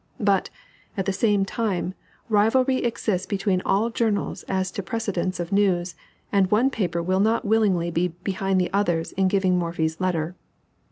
But, at the same time, rivalry exists between all journals as to precedence of news, and one paper would not willingly be behind the others in giving Morphy's letter.